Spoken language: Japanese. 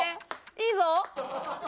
いいぞ！